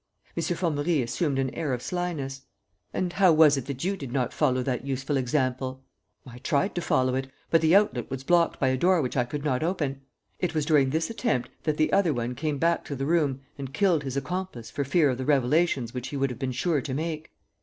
M. Formerie assumed an air of slyness: "And how was it that you did not follow that useful example?" "I tried to follow it. But the outlet was blocked by a door which I could not open. It was during this attempt that 'the other one' came back to the room and killed his accomplice for fear of the revelations which he would have been sure to make.